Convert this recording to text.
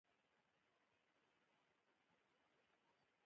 جګړن وویل: لکه فرانسویان، فرانسویان هم همداسې دي.